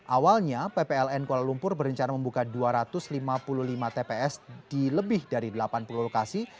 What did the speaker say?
awalnya ppln kuala lumpur berencana membuka dua ratus lima puluh lima tps di lebih dari delapan puluh lokasi